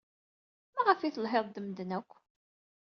Maɣef ay telhid ed medden akk?